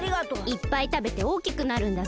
いっぱいたべておおきくなるんだぞ。